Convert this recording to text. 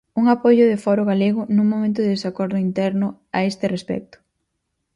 Un apoio de Foro Galego nun momento de desacordo interno a este respecto.